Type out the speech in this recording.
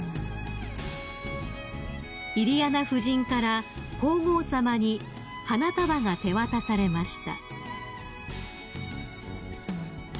［イリアナ夫人から皇后さまに花束が手渡されました］